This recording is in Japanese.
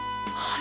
あ！